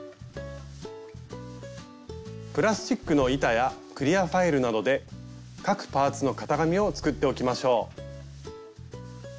プラスチックの板やクリアファイルなどで各パーツの型紙を作っておきましょう。